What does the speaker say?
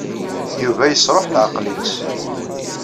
Yuba yesṛuḥ leɛqel-nnes.